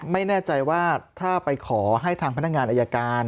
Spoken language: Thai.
ไม่แน่ใจว่าถ้าไปขอให้ทางพนักงานอายการ